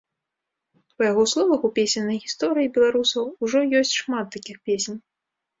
Па яго словах, у песеннай гісторыі беларусаў ужо ёсць шмат такіх песень.